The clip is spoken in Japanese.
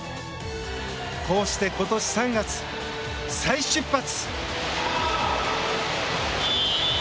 こうして今年３月、再出発。